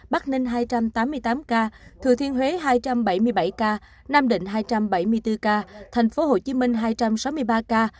bắc ninh hai trăm tám mươi tám ca thừa thiên huế hai trăm bảy mươi bảy ca nam định hai trăm bảy mươi bốn ca thành phố hồ chí minh hai trăm sáu mươi ba ca